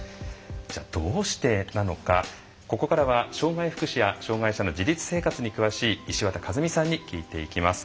どうしてなのか、ここからは障害福祉や障害者の自立生活に詳しい石渡和実さんに聞いていきます。